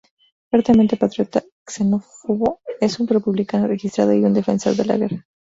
Fuertemente patriota, xenófobo, es un republicano registrado y un defensor de la guerra.